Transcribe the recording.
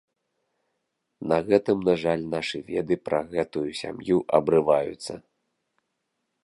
На гэтым, на жаль, нашы веды пра гэтую сям'ю абрываюцца.